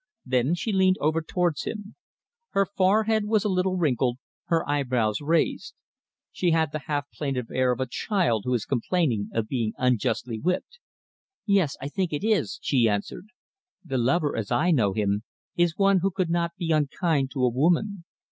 Then she leaned over towards him. Her forehead was a little wrinkled, her eyebrows raised. She had the half plaintive air of a child who is complaining of being unjustly whipped. "Yes! I think it is," she answered. "The lover, as I know him, is one who could not be unkind to a woman.